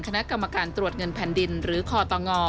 คณะกรรมการตรวจเงินแผ่นดินหรือคอตง